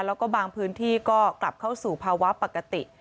แล้วก็บางพื้นที่ก็กลับเข้าสู่ภาวะปกติ